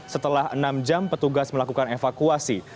setelah enam jam petugas melakukan evakuasi